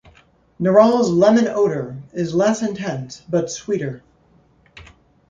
Neral's lemon odor is less intense, but sweeter.